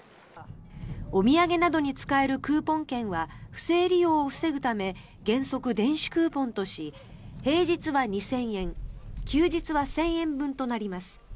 お土産などに使えるクーポン券は不正利用を防ぐため原則、電子クーポンとし平日は２０００円休日は１０００円分となります。